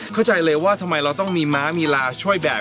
เข้าใจเลยว่าทำไมเราต้องมีม้ามีลาช่วยแบก